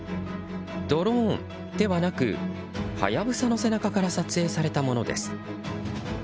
ドローンではなくハヤブサの背中から撮影されたものです。